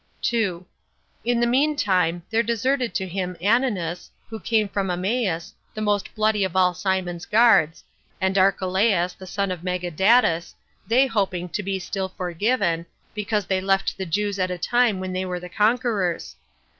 2. In the mean time, there deserted to him Ananus, who came from Emmaus, the most bloody of all Simon's guards, and Archelaus, the son of Magadatus, they hoping to be still forgiven, because they left the Jews at a time when they were the conquerors.